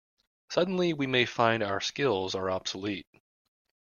Suddenly we may find our skills are obsolete.